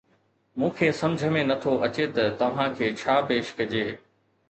مون کي سمجهه ۾ نه ٿو اچي ته توهان کي ڇا پيش ڪجي